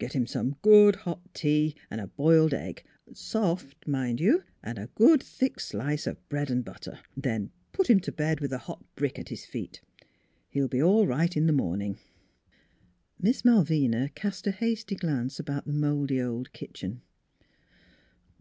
Get him some hot tea and a boiled egg soft, mind you and a good thick slice of bread and butter. Then put him to bed NEIGHBORS 47 with a hot brick at his feet. He'll be all right in the morning." Miss Malvina cast a hasty glance about the mouldy old kitchen.